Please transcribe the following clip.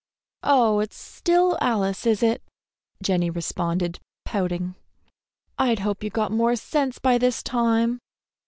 "Oh, it's still Alice, is it?" Jenny responded, pouting. "I hoped you'd got more sense by this time.